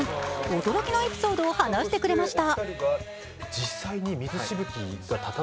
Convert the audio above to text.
驚きのエピソードを話してくれました。